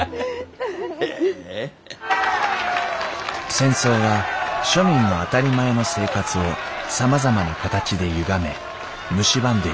戦争は庶民の当たり前の生活をさまざまな形でゆがめむしばんでいきました。